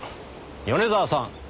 米沢さん。